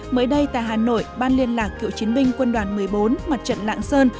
mới đây tại hà nội ban liên lạc cựu chiến binh quân đoàn một mươi bốn mặt trận lạng sơn